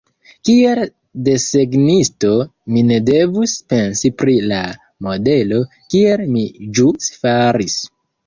Kiel desegnisto, mi ne devus pensi pri la modelo, kiel mi ĵus faris.